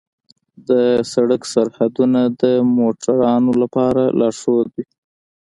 د سړک سرحدونه د موټروانو لپاره لارښود وي.